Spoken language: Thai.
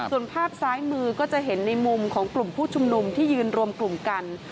ส่วนภาพซ้ายมือก็จะเห็นในมุมของกลุ่มผู้ชุมนุมที่ยืนรวมกลุ่มกัน